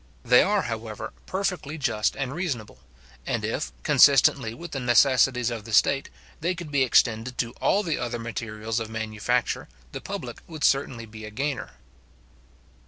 They are, however, perfectly just and reasonable; and if, consistently with the necessities of the state, they could be extended to all the other materials of manufacture, the public would certainly be a gainer.